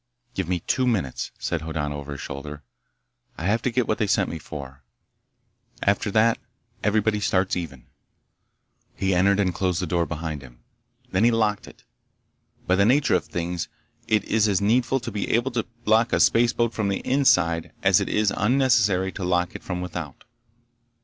"Give me two minutes," said Hoddan over his shoulder. "I have to get what they sent me for. After that everybody starts even." He entered and closed the door behind him. Then he locked it. By the nature of things it is as needful to be able to lock a spaceboat from the inside as it is unnecessary to lock it from without.